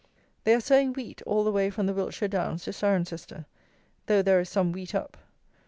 They are sowing wheat all the way from the Wiltshire downs to Cirencester; though there is some wheat up.